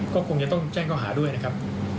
ก็คงจะต้องแจ้งเขาหาด้วยนะครับ